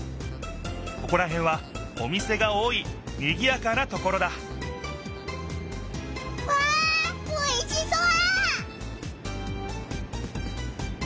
ここらへんはお店が多いにぎやかなところだわあおいしそう！